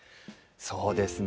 そうですね。